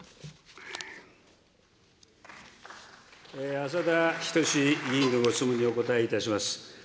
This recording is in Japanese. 浅田均議員のご質問にお答えいたします。